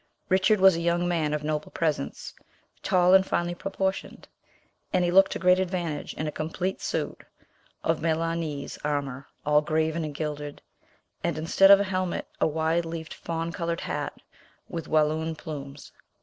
Richard was a young man of noble presence, tall and finely proportioned, and he looked to great advantage in a complete suit of Milanese armour all graven and gilded, and instead of a helmet, a wide leafed fawn coloured hat with Walloon plumes.